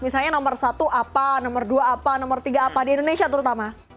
misalnya nomor satu apa nomor dua apa nomor tiga apa di indonesia terutama